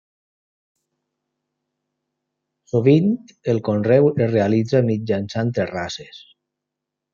Sovint el conreu es realitza mitjançant terrasses.